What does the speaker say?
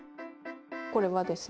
これはですね